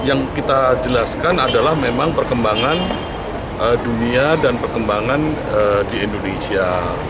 yang kita jelaskan adalah memang perkembangan dunia dan perkembangan di indonesia